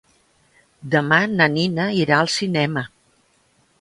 Demà na Nina irà al cinema.